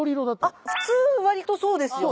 あっ普通わりとそうですよね。